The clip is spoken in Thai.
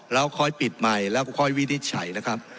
แล้วค่อยปิดใหม่แล้วก็ค่อยวินิจฉัยนะครับ